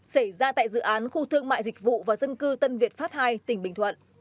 xảy ra tại dự án khu thương mại dịch vụ và dân cư tân việt pháp ii tỉnh bình thuận